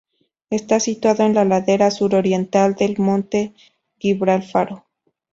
Está situado en la ladera suroriental del monte Gibralfaro.